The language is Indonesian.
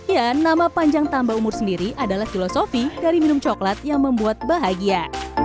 ya nama panjang tambah umur sendiri adalah filosofi dari minum coklat yang membuat bahagia